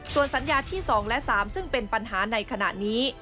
ส่วนสัญญาที่๒และ๓ซึ่งเป็นปัญหาในขณะนี้